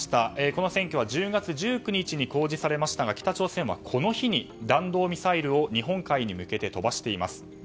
この選挙は１０月１９日に公示されましたが、北朝鮮はこの日に弾道ミサイルを日本海に向けて飛ばしています。